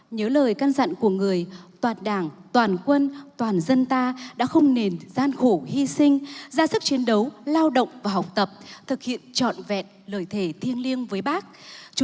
người ra đi nhưng đã để lại muôn vàn tình thương yêu cho toàn đảng toàn quân và toàn dân ta trong bản di trúc thiêng liêng bất hủ